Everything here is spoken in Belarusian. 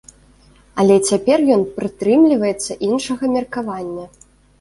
Але цяпер ён прытрымліваецца іншага меркавання.